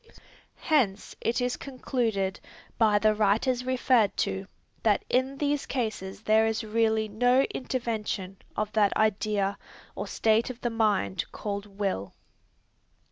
Hence, it is concluded, by the writers referred to, that in these cases there is really no intervention of that idea or state of the mind called will.